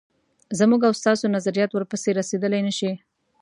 زموږ او ستاسو نظریات ورپسې رسېدلای نه شي.